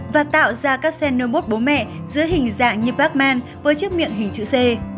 và tạo ra các xenobot bố mẹ giữa hình dạng như batman với chiếc miệng hình chữ c